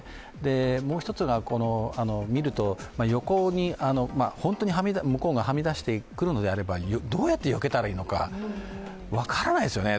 もう一つが、見ると横に本当に向こうがはみ出してくるのであれば、どうやってよけたらいいのか分からないですよね。